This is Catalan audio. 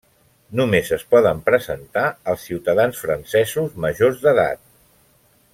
Només es poden presentar els ciutadans francesos majors d'edat.